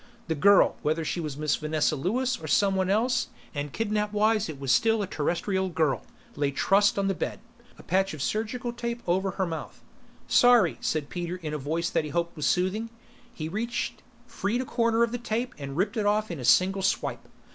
The girl whether she was Miss Vanessa Lewis or someone else, and kidnap wise it was still a Terrestrial girl lay trussed on the bed, a patch of surgical tape over her mouth. "Sorry," said Peter in a voice that he hoped was soothing. He reached, freed a corner of the tape and ripped it off in a single swipe.